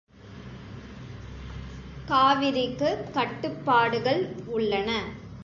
காவிரிக்குக் கட்டுப்பாடுகள் உள்ளன.